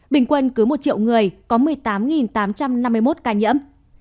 bình quân cứ một triệu người có một mươi tám tám trăm năm mươi một ca nhiễm